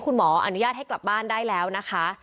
คุณหมออนุญาตให้กลับบ้านได้แล้วนะคะ